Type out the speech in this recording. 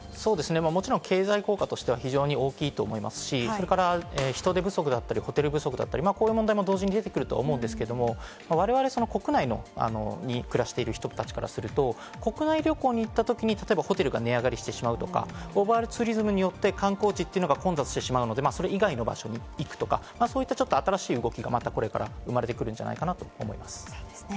もちろん経済効果としては非常に大きいと思いますし、それから人手不足だったり、ホテル不足だったり、こういう問題も同時に出てくると思うんですけれども、我々、国内に暮らしている人たちからすると、国内旅行に行ったときに例えばホテルが値上がりしてしまうとか、オーバーツーリズムによって観光地が混雑してしまうので、それ以外の場所に行くとか、そういった新しい動きがこれからまた生まれてくるんじゃないかなと思います。